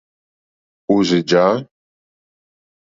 Òrzì jǎ.